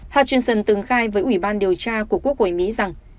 johnson từng khai với ủy ban điều tra của quốc hội mỹ rằng